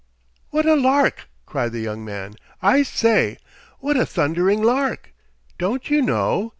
"What a lark!" cried the young man. "I say! What a thundering lark! Don't you know?